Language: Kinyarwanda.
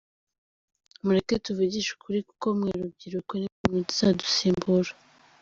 Mureke tuvugishe ukuri kuko mwe rubyiruko nimwe muzadusimbura.